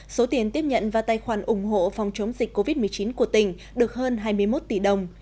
số tiền tiếp nhận và tài khoản ủng hộ phòng chống dịch covid một mươi chín của tỉnh được hơn hai mươi một tỷ đồng